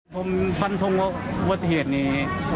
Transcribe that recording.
ผมพันธุ์ทรงอุบัติเหตุนี้๙๐